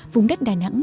vùng đất đà nẵng